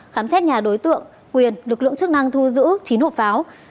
khám xét nhà đối tượng quyền lực lượng chức năng thu giữ chín hộp pháo